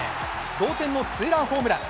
同点のツーランホームラン。